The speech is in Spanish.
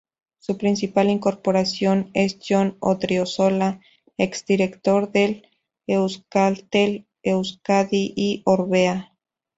Su principal incorporación es Jon Odriozola ex-director del Euskaltel-Euskadi y Orbea.